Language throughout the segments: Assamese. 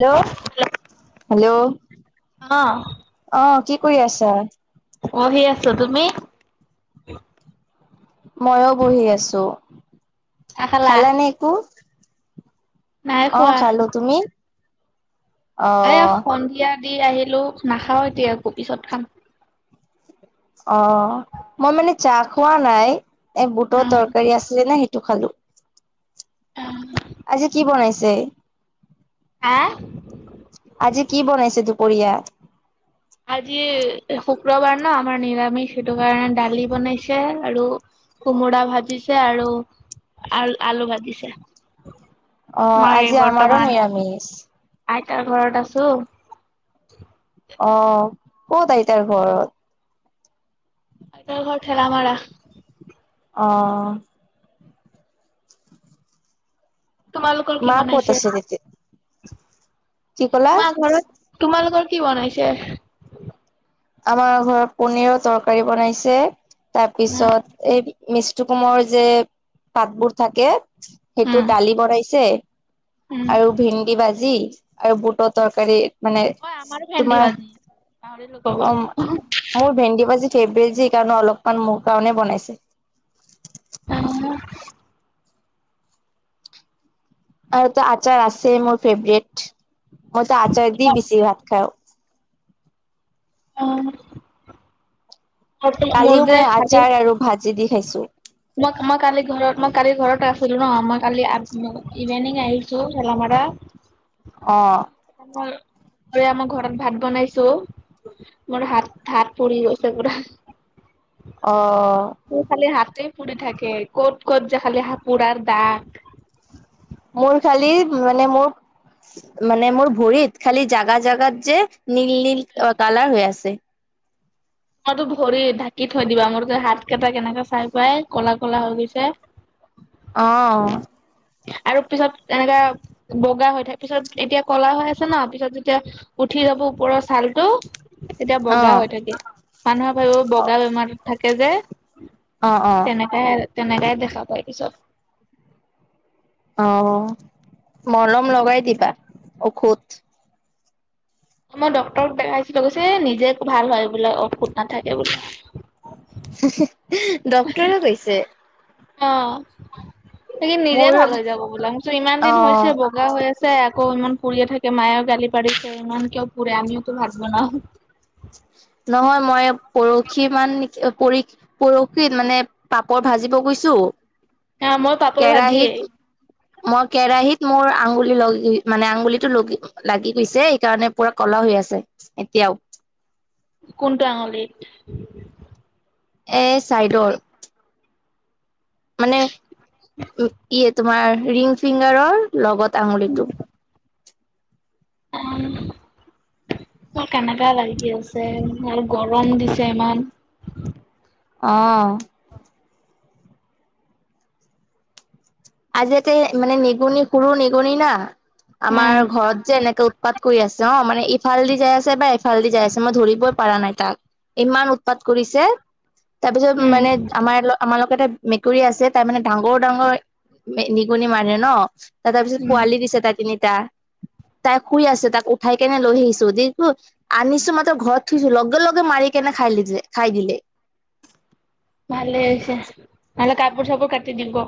Hello hello! অ', অ' কি কৰি আছা? বহি আছোঁ, তুমি? মইও বহি আছো, খালা নে একো? নাই খোৱা অ' খালো তুমি? অ এয়া সন্ধিয়া দি আহিলো, নাখাও এতিয়া আকৌ পিছত খাম। অ' মই মানে চাহ খোৱা নাই এ বুটৰ তৰকাৰী আছিলে নে সেইটো খালো। উ আজি কি বনাইছে? হা। আজি কি বনাইছে দুপৰীয়া? আজি শুক্ৰবাৰ ন আমাৰ নিৰামিষ সেইটো কাৰণে দালি বনাইছে আৰু কোমোৰা ভাজিছে আৰু আ আলু ভাজিছে। অ' মই আজি আমাৰো বৰ্তমান নিৰামিষ। আইতাৰ ঘৰত আছো। অ' কত আইতাৰ ঘৰত? তেওঁৰ ঘৰ ঠেলা মাৰা। অ তোমালোকৰ কি মা ক'ত বনাইছে? আছে এতিয়া? তোমাৰ ঘৰত তোমালোকৰ কি বনাইছে? আমাৰ ঘৰত পনীৰৰ তৰকাৰী বনাইছে উম, তাৰপিছত এই মিষ্টু কোমৰ যে পাতবোৰ থাকে উম, সেইটোৰ দালি বনাইছে উম, আৰু ভেন্দি ভাজি আৰু বুটৰ তৰকাৰী মানে আমাৰ ভেন্দি তোমাৰ ভাজিছে, পাহৰিলো। ক'ব। অ' মো মোৰ ভেন্দি ভাজি ফেভৰেট যে সেইকাৰণে অলপমান মোৰ কাৰণে বনাইছে। অ আৰু তো আচাৰ আছে মোৰ ফেভৰেট, মইতো আচাৰ দি বেছি ভাত খাও অ কালিও মই আচাৰ আৰু ভাজি দি খাইছো। মই, মই কালি ঘৰত মই কালি ঘৰতে আছিলো ন মই কালি আ মোৰ ইভেনিং আহিছো ঠেলা মৰা অ'। ৰে আমাৰ ঘৰত ভাত বনাইছো মোৰ হাত হাত পুৰি গৈছে পুৰা। অ'। মোৰ খালি হাতে পুৰি থাকে ক'ত, ক'ত যে খালি হাত পুৰাৰ দাগ। মোৰ খালি মানে মোৰ মানে মোৰ ভৰিত খালি জাগাত জাগাত যে নীল নীল অ কালাৰ হৈ আছে তোমাৰতো ভৰিত ঢাকি থৈ দিবা মোৰতো হাত কেইটা কেনেকে চাই পাই কলা কলা হৈ গৈছে অ'। আৰু পিছত এনেকা বগা হৈ থাক পিছত এতিয়া ক'লা হৈ আছে ন পিছত যেতিয়া উঠি যাব ওপৰৰ ছালটো তেতিয়া বগা অ', হৈ থাকে মানুহে ভাবিব বগা বেমাৰতো থাকে যে অ অ'। তে তেনেকাই দেখা পায় পিছত। অ' মলম লগাই দিবা ঔষধ। মই ডক্তৰক দেখাইছিলো কৈছে নিজে ভাল হয় বোলে ঔষধ নাথাকে বোলে হু হু ডক্তৰে কৈছে অ সেইখিনি নিজে মোৰ ভাল হৈ যাব বোলা মোৰ চোন ইমান দিন অ', হৈছে ব গা হৈ আছে আকৌ ইমান পুৰিয়ে থাকে মায়েও গালি পাৰিছে ইমান কিয় পুৰে আমিওতো ভাত বনাও নহয় মই পৰহি মান নেকি অ পৰি পৰহিত মানে পাপৰ ভাজিব গৈছো অ মই পাপৰ ভাজি কেৰাহিত মই কেৰাহীত মোৰ আঙুলি লগি মানে আঙুলিটো লগি লাগি গৈছে সেইকাৰণে পুৰা ক'লা হৈ আছে এতিয়াও কোনটো আঙুলিত এ চাইডৰ। মানে উম ই তোমাৰ ৰিং ফিংগাৰ লগত আঙুলিটো। অঁ। কেনেকা লাগি আছে আৰু গৰম দিছে ইমান? অঁ। আজি এতে মানে নিগনি সৰু নেগনি না উম আমাৰ ঘৰত যে এনেকে উৎপাত কৰি আছে অ মানে এ ইফাল দি যাই আছে বা এফাল দি যাই আছে মই ধৰিবই পৰাা নাই তাক ইমান উৎপাত কৰিছে? তাৰপিছত উম মানে আমাৰ আমাৰালোকৰ এটা মেকুৰী আছে তাৰ মানে ডাঙৰ - ডাঙৰ মে নিগনি মানে ন তাৰ উম পিছত পোৱালি দিছে তাৰ তিনিটা। তাই শুই আছে তাক উঠাই কেনে লৈ আহিছো দি তো আনিছো মাত্ৰ ঘৰত থুছো লগে - লগে মাৰিকেনে খাই লিজে খাই দিলে। ভালে হৈছে নহলে কাপোৰ - চাপোৰ কাটি দিব।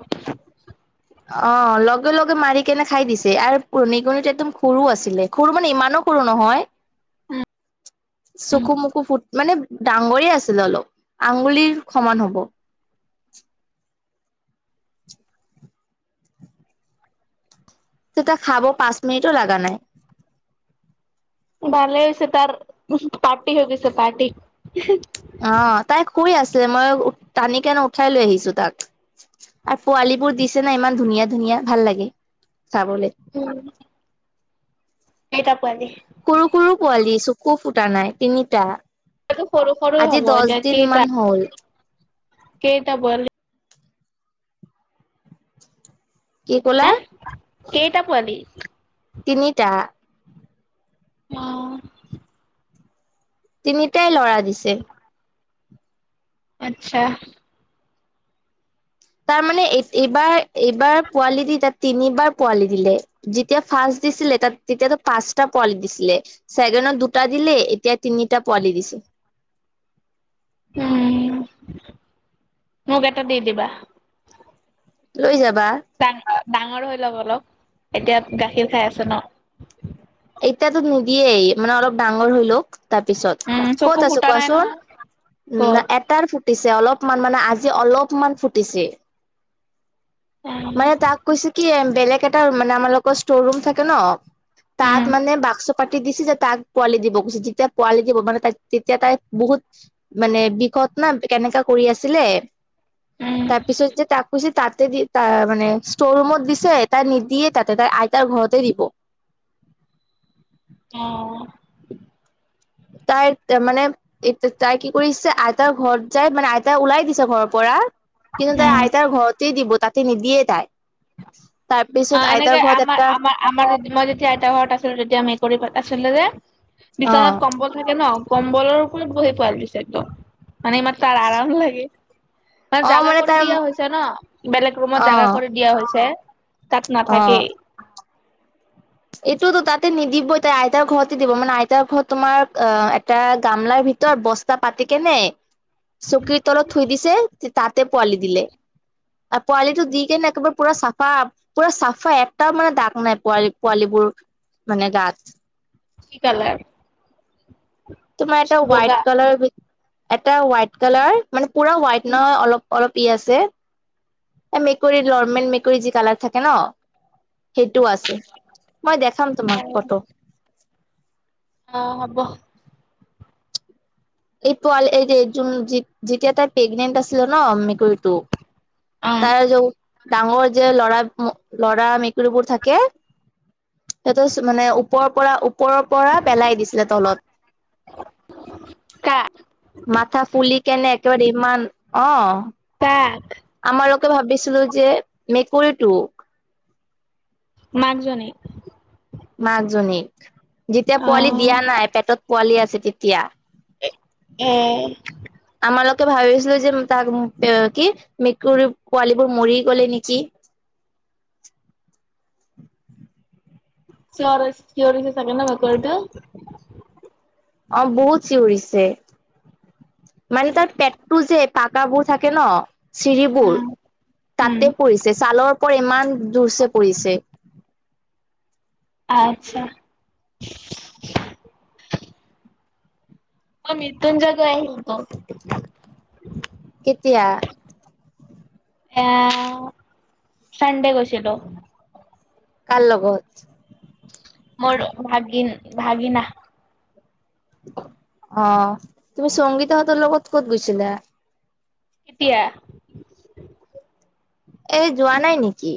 অঁ লগে - লগে মাৰি কেনে খাই দিছে আৰু প নিগনিটো একদম সৰু আছিলে। সৰু মানে ইমানো সৰু নহয়। চকু মুকু ফুট মানে ডাঙৰে আছিলে অলপ, আঙুলিৰ সমান হ'ব। [unintelligible] তেতিয়া খাব পাঁচ মিনিটো লাগা নাই। ভালে হৈছে তাৰ উহো পাৰ্টি হৈ গৈছে পাৰ্টি ইহি। অঁ তাই শুই আছে, মই টানি কেনে উঠাই লৈ আহিছো তাক। আৰু পোৱালীবোৰ দিছে না ইমান ধুনীয়া ধুনীয়া ভাল লাগে চাবলে। উম। কেইটা পোৱালি? সৰু - সৰু পোৱালি চকু ফুটা নাই তিনিটা। টো সৰু - সৰু আজি হব দহ এতিয়া দিন কেইটা মান হ'ল কেইটা পোৱালী? কি ক'লা? কেইটা পোৱালি? তিনিটা। অঁ। তিনিটাই লৰা দিছে। আচ্ছা। তাৰ মানে এইত এইবাৰ এইবাৰ পোৱালি দি তাত তিনিবাৰ পোৱালি দিলে। যেতিয়া ফাৰ্ষ্ট দিছিলে তাত তেতিয়াতো পাঁচটা পোৱালি দিছিলে। চেগেনত দুটা দিলে এতিয়া তিনিটা পোৱালি দিছে। উম, মোক এটা দি দিবা। লৈ যাবা। ডা ডাঙৰ হৈ লওক অলপ এতিয়া গাখীৰ খাই আছে ন? এতিয়াতো নিদিয়েই মানে অলপ ডাঙৰ হৈ লওক। উম তাৰপিছত চকু ক'ত আছ ফুটা নাই কোৱাচোন? নহয় না ক'ত এটাৰ পি ফুটিছে অলপমান মানে আজি অলপমান ফুটিছে। উম মানে তাক কৈছে কি বেলেগ এটা মানে আমাৰোকৰ ষ্ট'ৰ ৰুম থাকে ন? উম তাত মানে বাক্স পাতি দিছে যে তাক পোৱালি দিব গৈছে যেতিয়া পোৱালি দিব মানে তাই তেতিয়া তাই বহুত মানে বিষত না কেনেকা কৰি আছিলে উম তাৰপিছত যে তাক কৈছে তাতে দি তাৰমানে ষ্টৰৰুমত দিছে, তাই নিদিয়ে তাতে তাই আইতাৰ ঘৰতে দিব। অঁ। তাই তাৰমানে এতিয়া তাই কি কৰিছে আইতাৰ ঘৰত যাই মানে আইতাই ওলাই দিছে ঘৰৰ পৰা কিন্তু তাই উম। আইতাৰ ঘৰতেই দিব তাতে নিদিয়ে তাই, তাৰ অ', পিছত এনেকে আইতাৰ ঘৰত আমাৰ এটা আমাৰ আৰু মই যেতিয়া আইতা ঘৰত আছিলো তেতিয়া মেকুৰী পোৱালি আছিলে যে অ বিচনাত কম্বল থাকে ন কম্বলৰ ওপৰত বহি পোৱালি দিছে একদম মানে ইমান তাৰ আৰাম লাগে। তাৰ অ জাগা মানে কৰি তাৰ দিয়া হৈছে ন বেলেগ ৰুমত জাগা অ কৰি দিয়া হৈছে তাত অ নাথাকেই। এইটোতো তাতে নিদিবই তাই আইতাৰ ঘৰতে দিব মানে আইতাৰ ঘৰত তোমাৰ অ এটা গামলাৰ ভিতৰত ব তাত পাতি কেনে চকীৰ তলত থৈ দিছে তাতে পোৱালি দিলে। আৰু পোৱালিটো দি কিনে একেবাৰে পুৰা চাফা পুৰা চাফা একটাও মানে দাগ নাই পোৱালি পোৱালিবোৰ মানে গাত কি কালাৰ? তোমাৰ এটা হোৱাইট বগা। কালাৰ এটা হোৱাইট কালাৰ মানে পুৰা হোৱাইট নহয় অলপ অলপ পি আছে এ মেকুৰীৰ নৰ্মেল মেকুৰী যি কালাৰ থাকে ন সেইটোও আছে। মই দেখাম তোমাক ফটো। অ হ'ব। এই পোৱালি এই যে যোন যি যেতিয়া তাই প্ৰেগনেন্ট আছিলে ন মেকুৰীটো অ', তাৰ যে ডাঙৰ যে লৰা ম ল'ৰা মেকুৰীবোৰ থাকে সেইটো চু মানে ওপৰৰ পৰা ওপৰৰ পৰা পেলাই দিছিলে তলত। কাক? মাথা ফুলি কেনে একেবাৰে ইমান অ কাক আমালোকে ভাবিছিলো যে মেকুৰীটো মাকজনীক- মাকজনীক যেতিয়া পোৱালি অ'। দিয়া নাই পেটত পোৱালি আছে তেতিয়া এ - আমালোকে ভাবিছিলো যে উম তাক উম পে কি মেকুৰীৰ পোৱালিবোৰ মৰি গ'লেই নিকি? চিঞৰেছ চিঞৰিছে চাগে ন মেকুৰীটো অ বহুত চিঞৰিছে মানে তাৰ পেটতো যে পাক পকাবোৰ থাকে ন চিৰিবোৰ উম, উম, তাতে পৰিছে যে চালৰ ওপৰ ইমান জোৰছে পৰিছে। আচ্ছা মই মৃত্যুঞ্জয় গৈ আহিলোতো - কেতিয়া? এয়া চানডে গৈছিলো কাৰ লগত মোৰ অ ভাগিন ভাগিনা। অ, তুমি সংগীতাহঁতৰ লগত ক'ত গৈছিলা? কেতিয়া এই যোৱা নাই নিকি?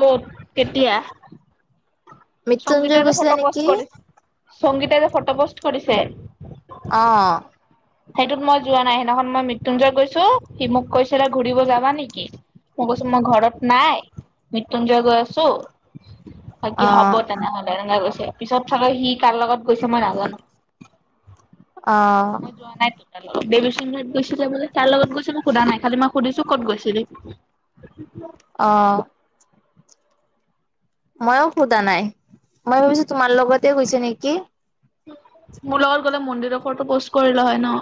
ক'ত, কেতিয়া? মৃত্যুঞ্জয় সংগীতাই যে গৈছিলা ফটো পোষ্ট নেকি কৰিছ, সংগীতাই যে ফটো পোষ্ট কৰিছে অ সেইটোত মই যোৱা নাই সেইদিনাখন মই মৃত্যুঞ্জয় গৈছো সি মোক কৈছিলে ঘূৰিব যাবা নেকি মই কৈছো মই ঘৰত নাই মৃত্যুঞ্জয় গৈ আছো অ বাকী হ'ব তেনেহলে এনেকে কৈছে পিছত চাগে সি কাৰ লগত গৈছে মই নাজানো অ মই যোৱা নাই তাৰ লগত দেবীচিংত গৈছেলে বোলে কাৰ লগত গৈছে মই সোধা নাই খালি মই সুধিছো কত গৈছিলি [inaudible] অ ময়ো সোধা নাই মই ভাবিছো তোমাৰ লগতে গৈছে নেকি মোৰ লগত গ'লে মন্দিৰৰ ফটো প'ষ্ট কৰিলে হয় ন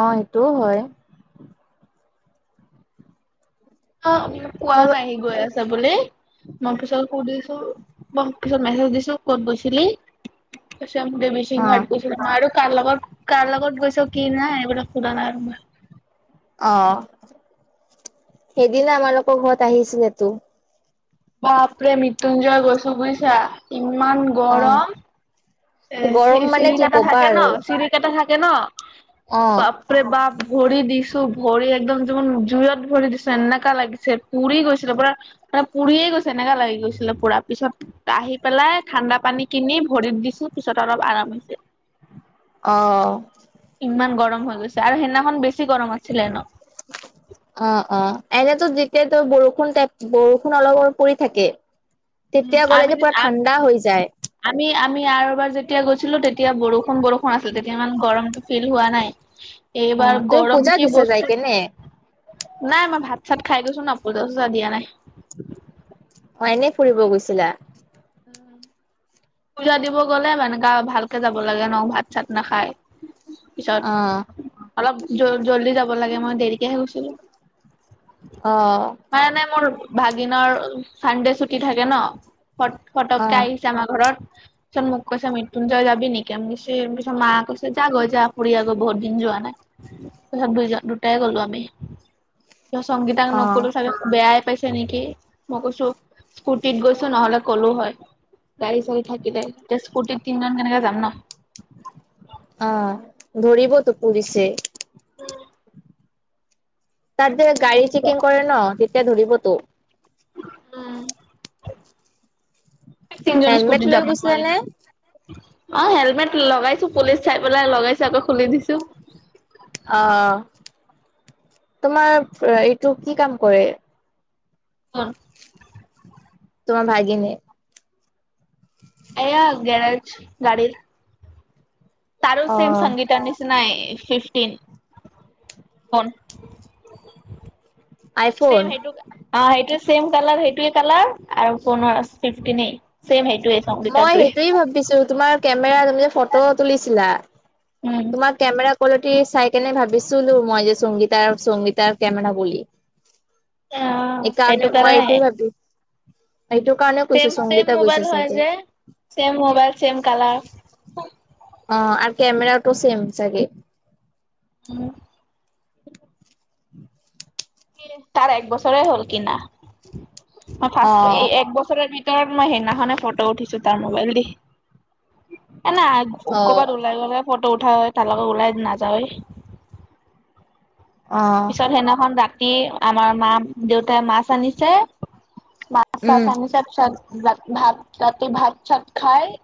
অ সেইটোও হয়। অ কোৱা মই অ নাই সি গৈ আছা বুলি, মই পিছত সুধিছোঁ মই পিছত মেছেজ দিছো ক'ত গৈছিলি? কৈছে দেবীচিংত গৈ মই আৰু কাৰ লগত কাৰ লগত গৈছো কি নাই এইবিলাক সোধা নাই আৰু মই। অ, সেইদিনা আমালোকৰ ঘৰত আহিছিলেতো। বাপৰে মৃত্যুঞ্জয় গৈছো বুজিছা ইমান অ গৰম। এ গৰম চিৰি মানে কি চিৰিকেইটা কবা থাকে ন আৰু চিৰিকেইটা থাকে ন বা অ', ৰে বাপ! ভৰি দিছো ভৰি একদম যোন জুইত ভৰি দিছো এনেকা লাগিছে পুৰি গৈছিলে পুৰা এ পুৰিয়ে গৈছে এনেকা লাগি গৈছিলে পুৰা পিছত আহি পেলাই ঠাণ্ডা পানী কিনি ভৰিত দিছো পিছত অলপ আৰাম হৈছে। অ। ইমান গৰম হৈ গৈছে আৰু সেইদিনাখন বেছি গৰম আছিলে ন? [inaudible] অ অ এনেটো যেতিয়া ত বৰষুণ টাইপ বৰষুণ অলপ অলপ পৰি থাকে। তেতিয়া গ'লে আমি যে পুৰা ঠাণ্ডা হৈ যায়। আমি - আমি আৰু এবাৰ যেতিয়া গৈছিলো তেতিয়া বৰষুণ - বৰষুণ আছিল তেতিয়া ইমান গৰমটো ফিল হোৱা নাই। অ এইবাৰ তুমি গৰম পূজা কি দিছা যাই বস্তু কিনে? নাই মই ভাত - চাত খাই গৈছো ন, পূজা - চূজা দিয়া নাই। অ এনে ফুৰিব গৈছিলা? উম [inaudible] পূজা দিব গ'লে মানে গা ভালকে যাব লাগে ন ভাত চাত নাখায়। পিছত অ', অলপ জ জল্দি যাব লাগে মই দেৰিকেহে গৈছিলো। অ। মানে মোৰ ভাগিনৰ চানডে ছুটি থাকে ন, ফট ফটককে অ', আহি যে আমাৰ ঘৰত চোন মোক কৈছে মৃত্যুঞ্জয় যাবি নেকি? নিশ্চয় মা কৈছে যা লৈ যায় ফুৰি আগৈ বহুত দিন যোৱা নাই? তাৰপিছত দুই দুটাই গলো আমি। কিয় সংগীতাক অ', নকলো চাগে বেয়াই পাইছে নেকি? মই কৈছো স্কুটিত গৈছো নহলে কলো হয়, গাড়ী - চাড়ী থাকিলে এতিয়া স্কুটিত তিনজন কেনেকে যাম ন? আ ধৰিবতো পুলিচে। উম। তাত যে গাড়ী যাব চেকিং কৰে ন তেতিয়া ধৰিবতো। উম এ তিনিজন হেলমেট স্কুটি লৈ যাবা গৈছিলা নোৱাৰি নে না? অঁ হেলমেট লগাইছো, পুলিচ চাই পেলাই লগাইছো আকৌ খুলি দিছো। আ তোমাৰ এইটো কি কাম কৰে? কোন? তোমাৰ ভাগিনে? এয়া গেৰেজ গাড়ীত। তাৰো চেম অ', সংগীতা নিচি নাই ফিফটিন ফণ। চেম আইফোন সেইটো অ সেইটোৱে চেম কালাৰ সেইটোৱে কালাৰ আৰু ফোনৰ ফিফটিনে চেম সেইটোৱে। মই সংগীতাৰটোৱে সেইটোয়ে ভাবিছো, তোমাৰ কেমেৰা তুমি যে ফটো তুলিছিলা। উম, তোমাৰ কেমেৰা কোৱালিটি চাই কেনে ভাবিছিলো মই যে সংগীতাৰ সংগীতাৰ কেমেৰা বুলি। অ, সেইটো এইকাৰণে মই কাৰণে এইটো ভাবি এইটো কাৰণেও কৈছে সংগীতা গৈছে চাগে। Same mobile same colour. অঁ আৰু কামেৰাতো চেম চাগে? উম। [unintelligible] কি তাৰ এক বছৰে হ'ল কিনা। মই অ ফাষ্ট এ এক বছৰ ভিত তৰ মই সেইদিনাখনে ফটো উঠিছো তাৰ মোবাইল দি। এনে অ কৰ'বাত ওলাই গ'লে ফটো উঠা হয়। তালৈকে ওলাই নাযাওৱে। অ পিছত সেইদিনাখন ৰাতি আমাৰ মা - দেউতাই মাছ আনিছে। মাছ - চাছ উম আনি চব চ ভাত ৰাতি ভাত - চাত খাই